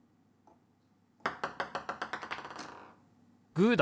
グーだ！